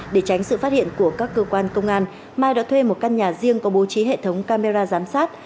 để tránh sự phát hiện của các cơ quan công an mai đã thuê một căn nhà riêng có bố trí hệ thống camera giám sát